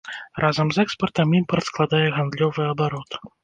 Разам з экспартам імпарт складае гандлёвы абарот.